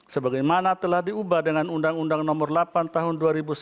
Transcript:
sebagaimana telah diubah dengan undang undang nomor delapan tahun dua ribu sembilan